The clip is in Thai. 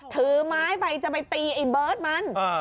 ถือไม้ไปจะไปตีไอ้เบิร์ตมัน